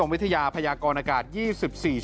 กรมอุตุนิยมวิทยาพญากรณกาลยี่สิบสี่ชั่วโมง